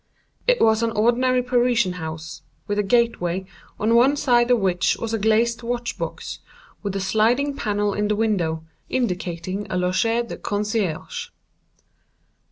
It was an ordinary Parisian house, with a gateway, on one side of which was a glazed watch box, with a sliding panel in the window, indicating a _loge de concierge.